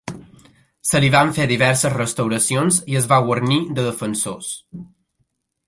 Se li van fer diverses restauracions i es va guarnir de defensors.